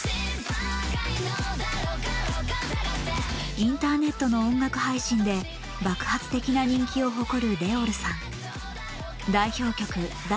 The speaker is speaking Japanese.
インターネットの音楽配信で爆発的な人気を誇るＲｅｏｌさん。